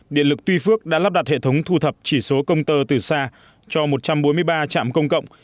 điện lực tuy phước đã lắp đặt hệ thống thu thập chỉ số công tơ từ xa cho một trăm bốn mươi ba trạm công cộng